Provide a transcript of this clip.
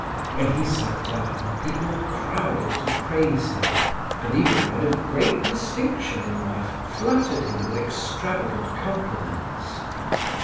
When he sat down people crowded to praise him and even men of great distinction in life flattered him with extravagant compliments.